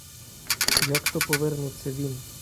Як то повернеться він?